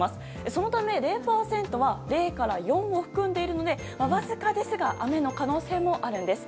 そのため０％は０から４を含んでいるのでわずかですが雨の可能性もあるんです。